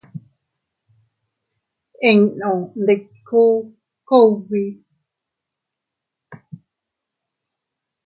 Innu ndiku kugbi.